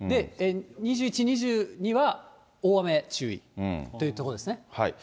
２１、２２は大雨注意というところですね。